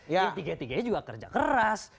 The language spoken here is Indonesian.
yang tiga tiganya juga kerja keras